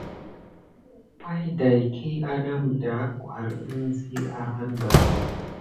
Pay dakiy aname da awure kisi arneba.